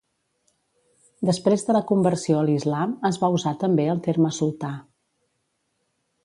Després de la conversió a l'islam, es va usar també el terme sultà.